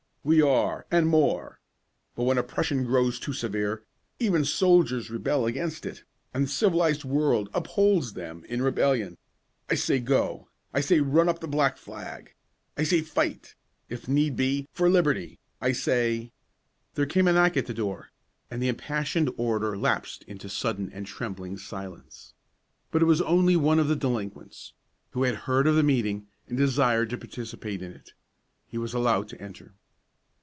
"We are, and more. But when oppression grows too severe, even soldiers rebel against it, and the civilized world upholds them in rebellion. I say go! I say run up the black flag! I say fight, if need be, for liberty! I say " There came a knock at the door, and the impassioned orator lapsed into sudden and trembling silence; but it was only one of the delinquents, who had heard of the meeting, and desired to participate in it. He was allowed to enter.